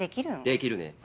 できるね。